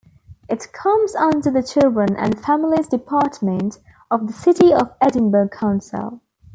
It comes under the Children and Families Department of the City of Edinburgh Council.